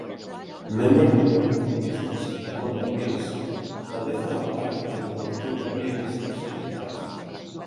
Membre del Grup de Periodistes Ramon Barnils, també forma part del Col·lectiu de Periodistes Contrast.